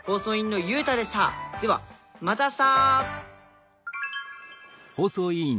ではまた明日！